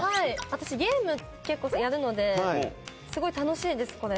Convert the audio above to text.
私、ゲーム結構やるのですごい楽しいです、これ。